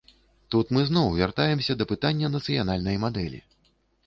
Тут мы зноў вяртаемся да пытання нацыянальнай мадэлі.